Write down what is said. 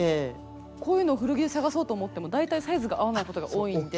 こういうのを古着で探そうと思っても大体サイズが合わないことが多いんで。